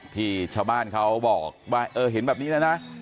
ที่ชาวบ้านเขาบอกว่าเออเห็นแบบนี้แล้วนะ